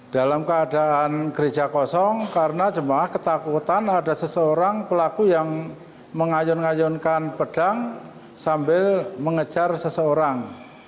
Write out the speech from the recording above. dalam keadaan gereja kosong karena jemaah ketakutan ada seseorang pelaku yang mengayun ngayunkan pedang sambil mengejar seseorang